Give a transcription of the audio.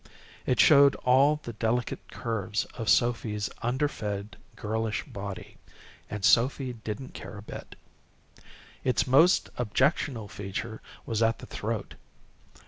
It showed all the delicate curves of Sophy's under fed, girlish body, and Sophy didn't care a bit. Its most objectionable feature was at the throat.